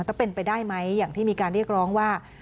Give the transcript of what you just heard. ถ้าเป็นไปได้ไหมอย่างที่มีการเรียกร้องว่า